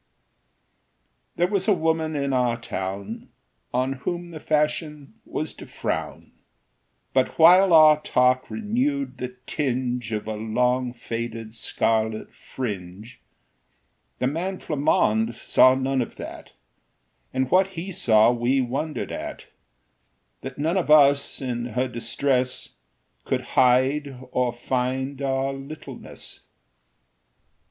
There was a woman in our town On whom the fashion was to frown; But while our talk renewed the tinge Of a long faded scarlet fringe, The man Flammonde saw none of that, And what he saw we wondered at That none of us, in her distress, Could hide or find our littleness.